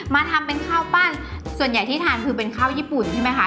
มาทำเป็นข้าวปั้นส่วนใหญ่ที่ทานคือเป็นข้าวญี่ปุ่นใช่ไหมคะ